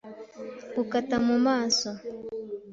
gukata mu maso.